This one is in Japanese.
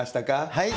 はい。